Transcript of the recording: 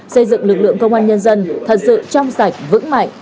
xây dựng lực lượng công an nhân dân thật sự trong sạch vững mạnh